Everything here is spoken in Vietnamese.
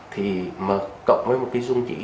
thì mà cộng với một cái dung dĩ